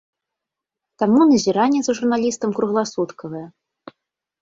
Таму назіранне за журналістам кругласуткавае.